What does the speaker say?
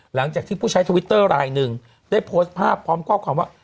หลังจากที่ผู้ใช้ทวิตเตอร์รายหนึ่งได้โพสต์ภาพพร้อมข้อความว่า